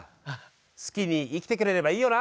好きに生きてくれればいいよな。